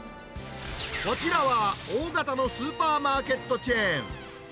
こちらは大型のスーパーマーケットチェーン。